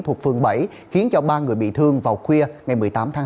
thuộc phường bảy khiến cho ba người bị thương vào khuya ngày một mươi tám tháng tám